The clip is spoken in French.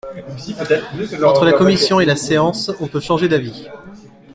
Entre la commission et la séance, on peut changer d’avis.